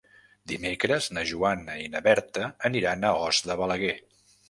Dimecres na Joana i na Berta aniran a Os de Balaguer.